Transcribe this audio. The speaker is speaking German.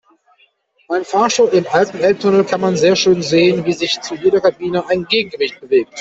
Beim Fahrstuhl im alten Elbtunnel kann man sehr schön sehen, wie sich zu jeder Kabine ein Gegengewicht bewegt.